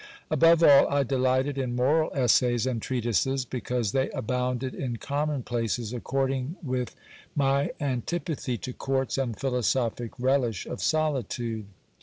Above all, I delighted in moral tssays and treatises, because they abounded in common places according with my antipathy to courts and philosophic relish of solitude.